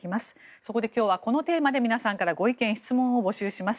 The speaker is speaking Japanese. そこで今日はこのテーマで皆さんからご意見・質問を募集します。